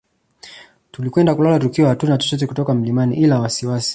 Tulikwenda kulala tukiwa hatuna chochote kutoka mlimani ila wasiwasi